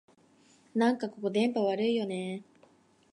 なんかここ、電波悪いんだよねえ